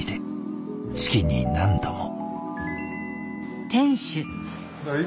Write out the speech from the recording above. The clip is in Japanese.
月に何度も。